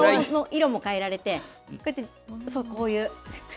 色も変えられて、こうやって、そう、こういう。